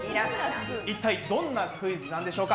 一体どんなクイズなんでしょうか？